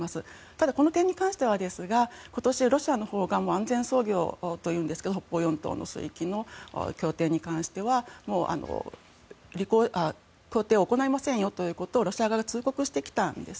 ただ、この点に関しては今年ロシアのほうが安全操業というんですが北方四島の協定に関しては協定を行いませんよということをロシア側が通告してきたんです。